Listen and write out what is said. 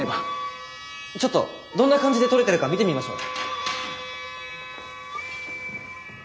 ちょっとどんな感じで撮れてるか見てみましょう。